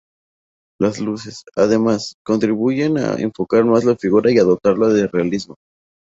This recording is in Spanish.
Las luces, además, contribuyen a enfocar más la figura y a dotarla de realismo.